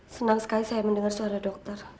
senang sekali saya mendengar suara dokter